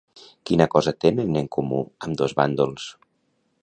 Quina cosa tenen en comú ambdós bàndols?